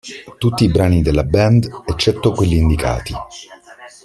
Tutti i brani della band eccetto quelli indicati.